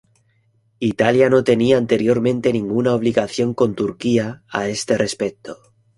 Italia no tenía anteriormente ninguna obligación con Turquía a este respecto.